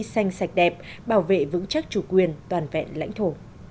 xanh sạch đẹp bảo vệ vững chắc chủ quyền toàn vẹn lãnh thổ